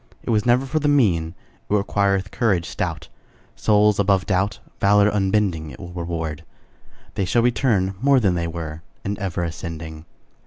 It was never for the mean; It requireth courage stout. Souls above doubt, Valor unbending, It will reward, They shall return More than they were, And ever ascending.